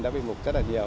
đã bị mục rất là nhiều